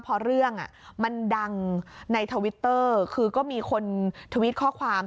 พอเรื่องมันดังในทวิตเตอร์คือก็มีคนทวิตข้อความ